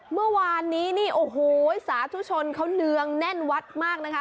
เมื่อวานนี้นี่โอ้โหสาธุชนเขาเนืองแน่นวัดมากนะคะ